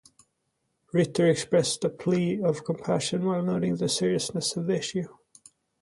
Ritter expressed a plea for compassion while noting the seriousness of the issue.